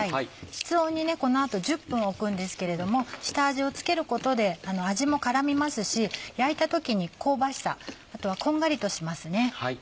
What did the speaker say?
室温にこの後１０分おくんですけれども下味を付けることで味も絡みますし焼いた時に香ばしさあとはこんがりとしますね。